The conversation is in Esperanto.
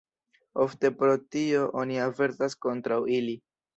Ofte pro tio oni avertas kontraŭ ili.